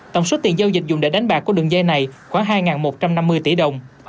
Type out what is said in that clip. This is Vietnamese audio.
tổng số tiền giao dịch dùng để đánh bạc của đường dây này khoảng hai một trăm năm mươi tỷ đồng